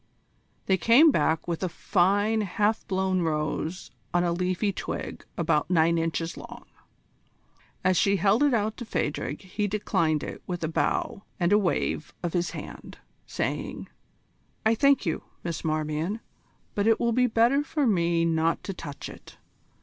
They came back with a fine half blown rose on a leafy twig about nine inches long. As she held it out to Phadrig he declined it with a bow and a wave of his hand, saying: "I thank you, Miss Marmion, but it will be better for me not to touch it.